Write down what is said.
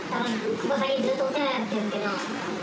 ここ最近、ずっとお世話になってるんですけど。